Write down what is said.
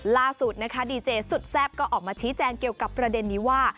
ล่าสุดนะคะดีเจสุดแซ่บก็ออกมาชี้แจงเกี่ยวกับประเด็นนี้ว่า